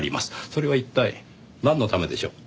それは一体なんのためでしょう？